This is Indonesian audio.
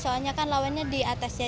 soalnya kan lawannya di atasnya